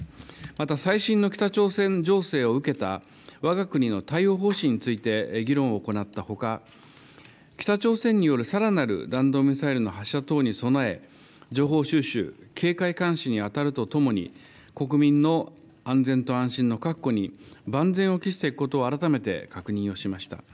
また最新の北朝鮮情勢を受けたわが国の対応方針について議論を行ったほか、北朝鮮によるさらなる弾道ミサイルの発射等に備え、情報収集、警戒監視に当たるとともに、国民の安全と安心の確保に万全を期していくことを改めて確認をしました。